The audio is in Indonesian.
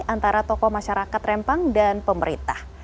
antara tokoh masyarakat rempang dan pemerintah